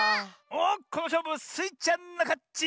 おっこのしょうぶスイちゃんのかち！